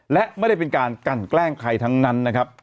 และไม่ได้เป็นการกันแกล้งใครทั้งนั้นนะครับ